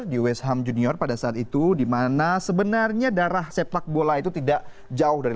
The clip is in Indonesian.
di west ham junior pada saat itu dimana sebenarnya darah sepak bola itu tidak jauh dari